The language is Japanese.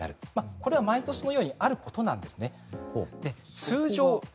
これは毎年のようにあることなんです。